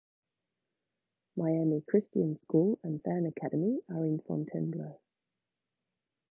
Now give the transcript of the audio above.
Miami Christian School and Vann Academy are in Fontainebleau.